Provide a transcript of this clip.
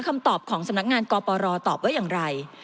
คำตอบของสำนักงานกปรตอบว่าอย่างไร